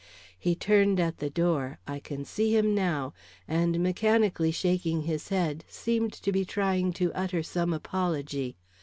He turned at the door I can see him now, and mechanically shaking his head, seemed to be trying to utter some apology.